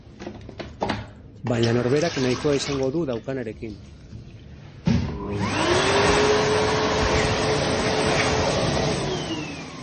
Baina norberak nahikoa izango du daukanarekin.